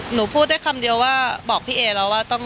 หนูพูดได้คำเดียวว่าบอกพี่เอแล้วว่า